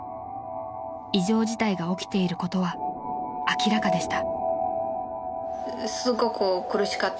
［異常事態が起きていることは明らかでした］